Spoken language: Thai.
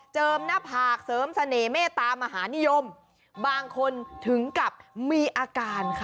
หน้าผากเสริมเสน่หมเมตตามหานิยมบางคนถึงกับมีอาการค่ะ